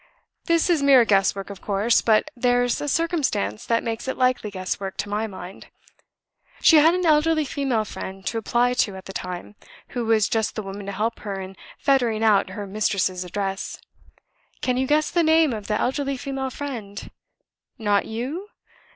This is mere guess work, of course; but there's a circumstance that makes it likely guess work to my mind. She had an elderly female friend to apply to at the time, who was just the woman to help her in ferreting out her mistress's address. Can you guess the name of the elderly female friend? Not you!